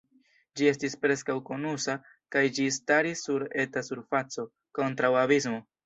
Ĝi estis preskaŭ konusa, kaj ĝi staris sur eta surfaco, kontraŭ abismo.